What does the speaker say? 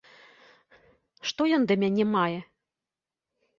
Што ён да мяне мае?